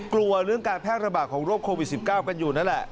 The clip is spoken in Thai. กลัวเรื่องการแพร่ระบาดของโรคโควิด๑๙กันอยู่นั่นแหละ